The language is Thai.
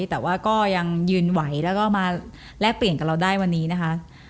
แต่ว่าก็ยังยืนไหวแล้วก็มาแลกเปลี่ยนกับเราได้วันนี้นะคะ